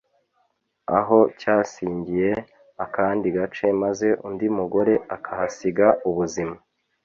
aho cyasingiye akandi gace maze undi mugore akahasiga ubuzima